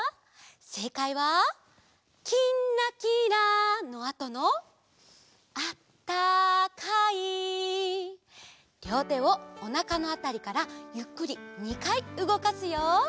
せいかいは「きんらきら」のあとの「あったかい」りょうてをおなかのあたりからゆっくり２かいうごかすよ。